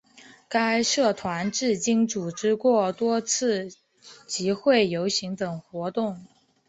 该社团至今组织过多次集会游行等活动。